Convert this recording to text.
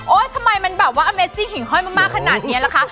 ทำไมมันแบบว่าอเมซี่หิ่งห้อยมากขนาดนี้ล่ะคะ